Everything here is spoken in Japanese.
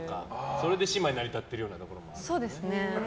それで姉妹成り立ってるようなところもあるんだね。